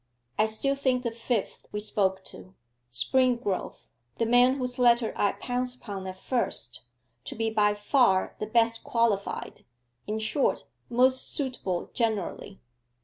'I still think the fifth we spoke to, Springrove, the man whose letter I pounced upon at first, to be by far the best qualified, in short, most suitable generally.